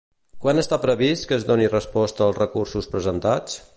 Quan està previst que es doni resposta als recursos presentats?